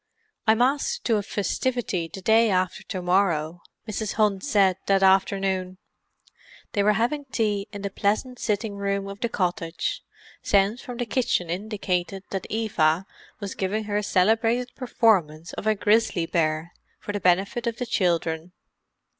"I'm asked to a festivity the day after to morrow," Mrs. Hunt said that afternoon. They were having tea in the pleasant sitting room of the cottage; sounds from the kitchen indicated that Eva was giving her celebrated performance of a grizzly bear for the benefit of the children.